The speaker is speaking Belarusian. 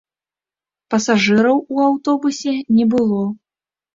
Пасажыраў у аўтобусе не было.